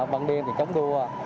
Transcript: băng điên thì chống đua